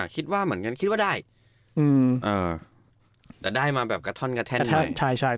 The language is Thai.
คิดว่าเหมือนกันคิดว่าได้แต่ได้มาแบบกระท่อนกระแท่นแทน